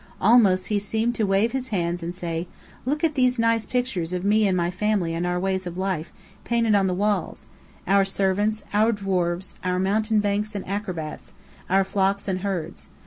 Almost he seemed to wave his hands and say, "Look at these nice pictures of me and my family and our ways of life, painted on the walls our servants, our dwarfs, our mountebanks and acrobats, our flocks and herds.